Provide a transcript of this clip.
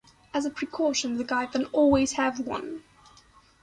As a precaution, the guide then always have one.